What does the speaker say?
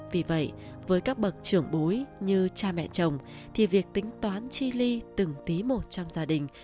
vì vậy với các bậc trưởng bối như cha mẹ chồng thì việc tính toán chi ly từng tí một trong gia đình